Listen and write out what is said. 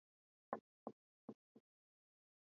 Dhidi ya vikosi vya Wajerumani waliokuwa wanamtafuta